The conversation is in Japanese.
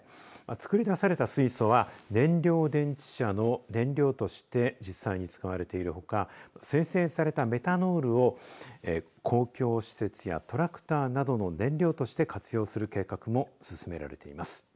作り出された水素は燃料電池車の燃料として実際に使われているほか精製されたメタノールを公共施設やトラクターなどの燃料として活用する計画も進められています。